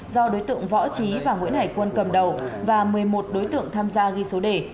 do đối tượng võ trí và nguyễn hải quân cầm đầu và một mươi một đối tượng tham gia ghi số đề